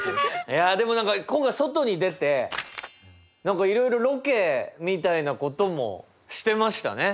いやでも何か今回外に出て何かいろいろロケみたいなこともしてましたね。